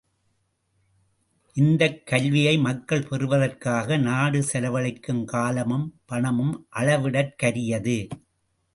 இந்தக் கல்வியை மக்கள் பெறுவதற்காக நாடு செலவழிக்கும் காலமும் பணமும் அளவிடற்கரியது.